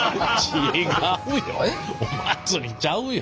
違うよお祭りちゃうよ。